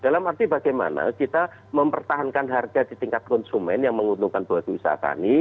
dalam arti bagaimana kita mempertahankan harga di tingkat konsumen yang menguntungkan buah buah wisata ini